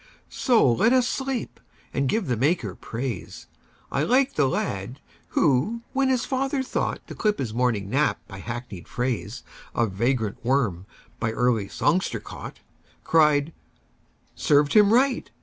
So let us sleep, and give the Maker praise.I like the lad who, when his father thoughtTo clip his morning nap by hackneyed phraseOf vagrant worm by early songster caught, Cried, "Served him right!